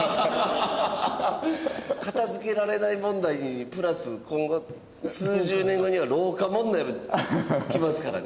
片付けられない問題にプラス今後数十年後には老化問題もきますからね。